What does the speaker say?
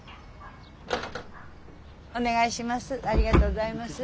お願いします。